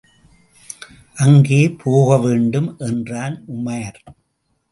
அங்கே போகவேண்டும் என்றான் உமார்.